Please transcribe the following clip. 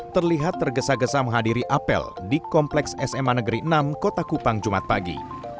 terlihat tergesa gesa menghadiri apel di kompleks sma negeri enam kota kupang jumat pagi